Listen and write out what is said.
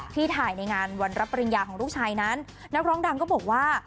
ที่ถ่ายในงานวันรับปริญญาของลูกชายนั้นนักร้องดังก็บอกว่า